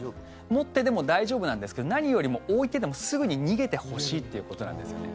持ってても大丈夫なんですけど何よりも置いてでもすぐに逃げてほしいっていうことなんですよね。